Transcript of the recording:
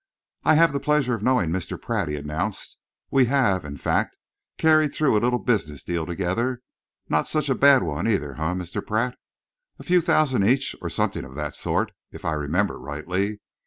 "I have the pleasure of knowing Mr. Pratt," he announced. "We have, in fact, carried through a little business deal together. Not such a bad one, either, eh, Mr. Pratt? A few thousands each, or something of that sort, if I remember rightly.